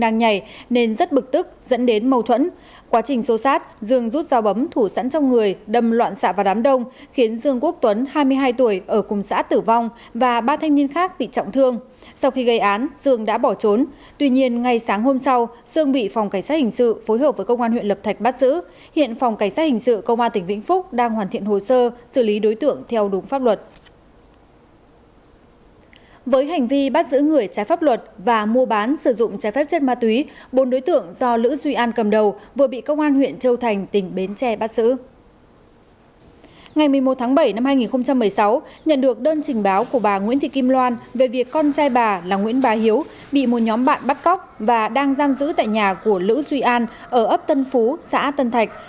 ngày một mươi một tháng bảy năm hai nghìn một mươi sáu nhận được đơn trình báo của bà nguyễn thị kim loan về việc con trai bà là nguyễn bà hiếu bị một nhóm bạn bắt cóc và đang giam giữ tại nhà của lữ duy an ở ấp tân phú xã tân thạch